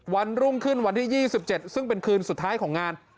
วันรุ่งขึ้นวันที่๒๗ซึ่งเป็นคืนสุดท้ายของงาน